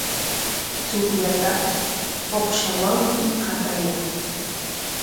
Chukllataqa uqshawanmi qatayan.